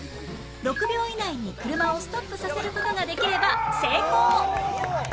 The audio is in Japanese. ６秒以内に車をストップさせる事ができれば成功！